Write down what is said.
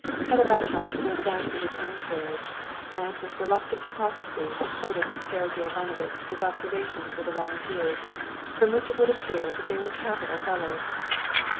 Katavasov went back to his own carriage, and with reluctant hypocrisy reported to Sergey Ivanovitch his observations of the volunteers, from which it would appear that they were capital fellows.